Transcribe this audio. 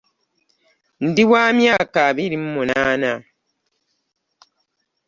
Ndi wa myaka abiri mu munaana.